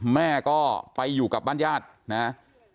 แม่ก็ไปอยู่กับบ้านญาตินะครับ